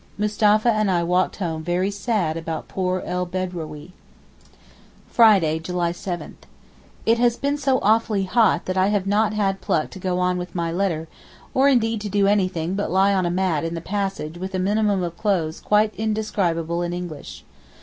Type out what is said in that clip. Mustapha and I walked home very sad about poor El Bedrawee. Friday, July 7.—It has been so 'awfully' hot that I have not had pluck to go on with my letter, or indeed to do anything but lie on a mat in the passage with a minimum of clothes quite indescribable in English.